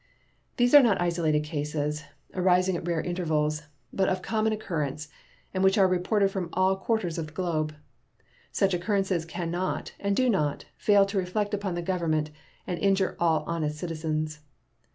These are not isolated cases, arising at rare intervals, but of common occurrence, and which are reported from all quarters of the globe. Such occurrences can not, and do not, fail to reflect upon the Government and injure all honest citizens.